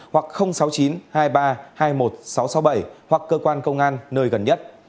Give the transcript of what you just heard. hoặc sáu mươi chín hai mươi ba hai mươi một nghìn sáu trăm sáu mươi bảy hoặc cơ quan công an nơi gần nhất